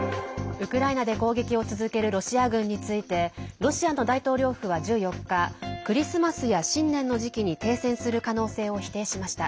ウクライナで攻撃を続けるロシア軍についてロシアの大統領府は１４日クリスマスや新年の時期に停戦する可能性を否定しました。